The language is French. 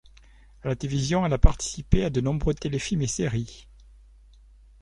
A la télévision elle a participé à de nombreux téléfilms et séries.